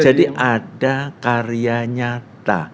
jadi ada karya nyata